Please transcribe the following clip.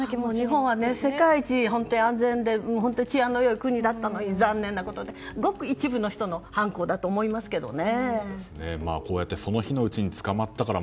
日本は世界一安全で治安の良い国だったのに残念なことで、ごく一部の人の犯行だと思いますけどね。